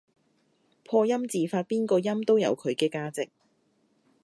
破音字發邊個音都有佢嘅價值